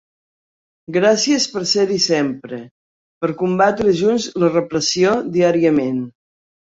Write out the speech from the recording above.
Gràcies per ser-hi sempre, per combatre junts la repressió diàriament.